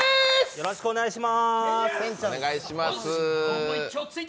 よろしくお願いします。